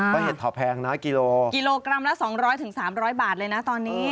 เพราะเห็ดถาแพงนะกิโลกิโลกรัมละ๒๐๐๓๐๐บาทเลยนะตอนนี้